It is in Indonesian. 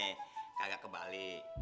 hehehe kagak kebalik